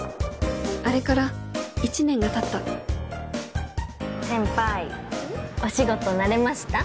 あれから１年がたった先輩お仕事慣れました？